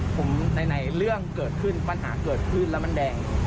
ผมไหนเรื่องเกิดขึ้นปัญหาเกิดขึ้นแล้วมันแดง